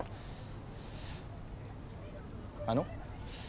あの？